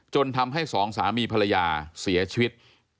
จนทำให้สองสามีภรรยาเสียชีวิต